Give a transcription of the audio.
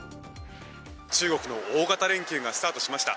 中国の大型連休がスタートしました。